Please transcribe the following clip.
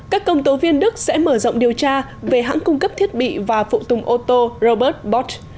các công tố viên đức sẽ mở rộng điều tra về hãng cung cấp thiết bị và phụ tùng ô tô robert bott